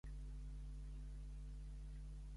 Tot seguit, quin temps va aconseguir a Berlín?